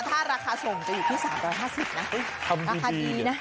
ถ้าราคาส่งจะอยู่ที่สามร้อยห้าสิบนะเฮ้ยคำที่ดีราคาดีนะ